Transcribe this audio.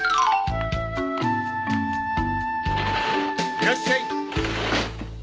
・いらっしゃい！